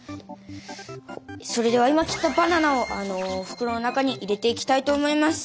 それでは今切ったバナナを袋の中に入れていきたいと思います。